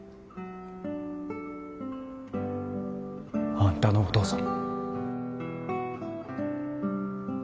あんたのお父さん。